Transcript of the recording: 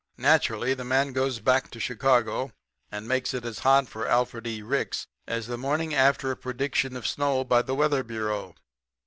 "Naturally, the man goes back to Chicago and makes it as hot for Alfred E. Ricks as the morning after a prediction of snow by the weather bureau.